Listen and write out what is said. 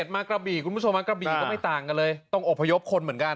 มากระบี่คุณผู้ชมมากระบี่ก็ไม่ต่างกันเลยต้องอบพยพคนเหมือนกัน